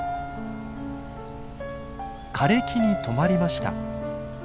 枯れ木に止まりました。